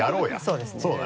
そうですね。